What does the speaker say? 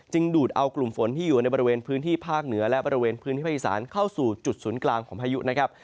ดูดเอากลุ่มฝนที่อยู่ในบริเวณพื้นที่ภาคเหนือและบริเวณพื้นที่ภาคอีสานเข้าสู่จุดศูนย์กลางของพายุนะครับ